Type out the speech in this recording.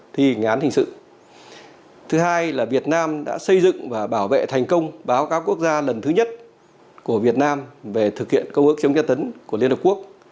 thứ hai là việt nam đã xây dựng và bảo vệ thành công báo cáo quốc gia lần thứ nhất của việt nam về thực hiện công ước chống tra tấn của liên hợp quốc